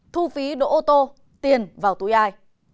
thu phí đỗ ô tô tiền vào túi ai